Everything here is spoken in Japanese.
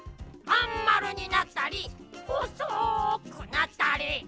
まんまるになったりほそくなったり。